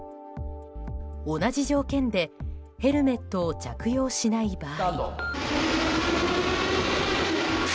同じ条件でヘルメットを着用しない場合。